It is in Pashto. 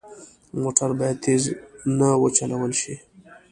موټر باید تېز نه وچلول شي.